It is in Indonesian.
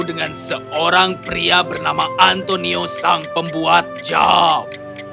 dengan seorang pria bernama antonio sang pembuat jam